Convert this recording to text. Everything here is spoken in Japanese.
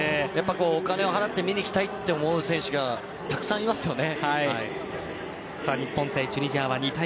お金を払って見に来たいって思う選手がたくさんいますよね。